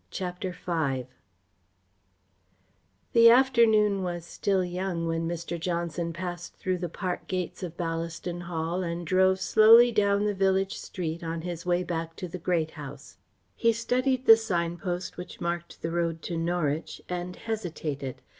CHAPTER V The afternoon was still young when Mr. Johnson passed through the park gates of Ballaston Hall and drove slowly down the village street on his way back to the Great House. He studied the sign post which marked the road to Norwich and hesitated.